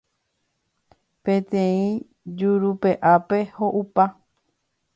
Peteĩ jurupe'ápe ho'upa.